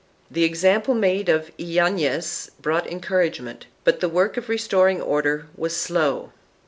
1 The example made of Yanez brought encourage ment, but the work of restoring order was slow.